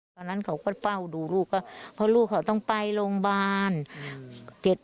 ตอนนั้นเขาก็เฝ้าดูลูกก็เพราะลูกเขาต้องไปโรงพยาบาล